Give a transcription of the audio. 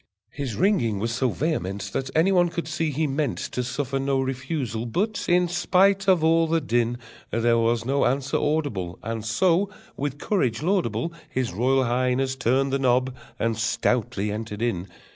His ringing was so vehement That any one could see he meant To suffer no refusal, but, in spite of all the din, There was no answer audible, And so, with courage laudable, His Royal Highness turned the knob, and stoutly entered in.